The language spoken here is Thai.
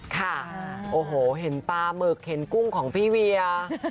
ค่ะโอ้โหเห็นปลาหมึกเข็นกุ้งของพี่เวีย